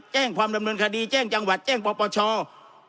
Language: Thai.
แจ้งความดำเนินคดีแจ้งจังหวัดแจ้งปปช